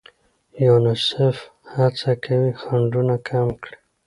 یونیسف هڅه کوي خنډونه کم کړي.